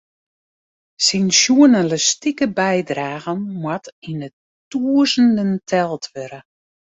Syn sjoernalistike bydragen moat yn de tûzenen teld wurde.